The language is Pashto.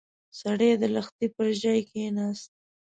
سړی د لښتي پر ژۍ کېناست.